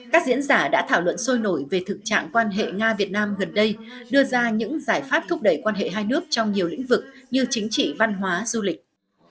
các diễn giả đã thảo luận sôi nổi về thực trạng quan hệ nga việt nam gần đây đưa ra những giải pháp thúc đẩy quan hệ hai nước trong nhiều lĩnh vực như chính trị văn hóa du lịch